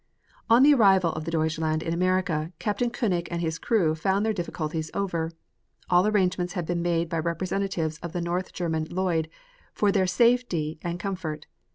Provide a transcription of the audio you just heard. On the arrival of the Deutschland in America Captain Koenig and his crew found their difficulties over. All arrangements had been made by representatives of the North German Lloyd for their safety and comfort.